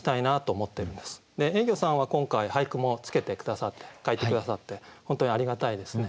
えいぎょさんは今回俳句もつけて下さって書いて下さって本当にありがたいですね。